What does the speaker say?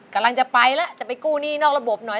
กำลังจะไปแล้วจะไปกู้หนี้นอกระบบหน่อย